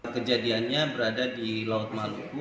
kejadiannya berada di laut maluku